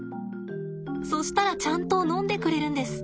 そしたらちゃんとのんでくれるんです。